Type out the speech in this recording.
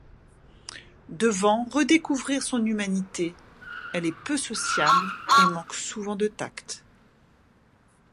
Devant redécouvrir son humanité, elle est peu sociable et manque souvent de tact.